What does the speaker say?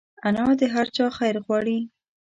انا د هر چا خیر غواړي